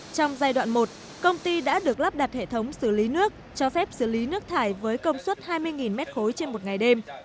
trong giai đoạn một công ty đã được lắp đặt hệ thống xử lý nước cho phép xử lý nước thải với công suất hai mươi m ba trên một ngày đêm